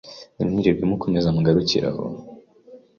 ntimwirirwe mukomeza mugarukire aho